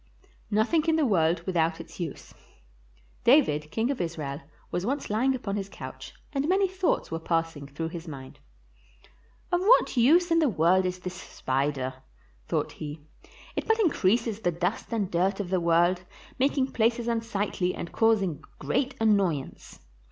NOTHING IN THE WORLD WITHOUT ITS USE David, King of Israel, was once lying upon his couch and many thoughts were passing through his mind. " Of what use in the world is this spider? " thought he; "it but increases the dust and dirt of the world, making places unsightly and causing great annoyance."